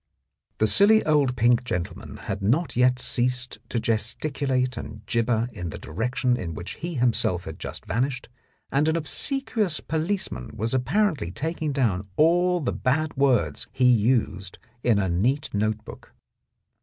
The silly old pink gentleman had not yet ceased to gesticulate and jibber in the direction in which he himself had just vanished, and an obsequious policeman was apparently taking down all the bad 26 The Blackmailer of Park Lane words he used in a neat notebook.